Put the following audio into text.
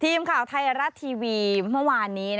ทีมข่าวไทยรัฐทีวีเมื่อวานนี้